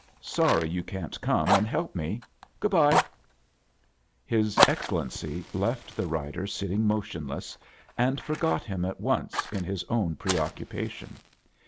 Sorry yoo caa't come and help me. Good bye 1" His Excellency left the rider sitting motionless, and forgot bun at once in his own preoccupation.